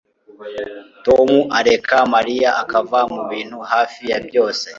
tom areka mariya akava mubintu hafi ya byose